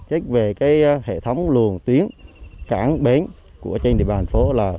trích về hệ thống luồng tuyến cảng bến của trên địa bàn phố là